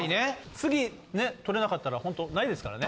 次ねとれなかったらホントないですからね。